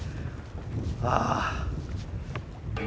ああ。